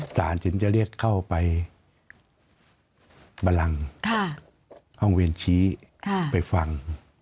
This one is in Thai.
ศาลจึงจะเรียกเข้าไปบรรลังห้องเวียนชี้ไปฟัง